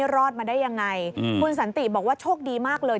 รอดมาได้ยังไงคุณสันติบอกว่าโชคดีมากเลย